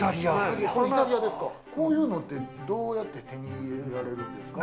こういうのってどうやって手に入れられるんですか？